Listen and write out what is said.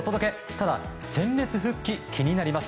ただ、戦列復帰、気になります。